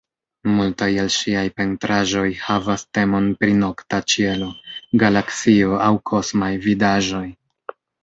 Multaj el ŝiaj pentraĵoj havas temon pri nokta ĉielo, galaksio aŭ kosmaj vidaĵoj.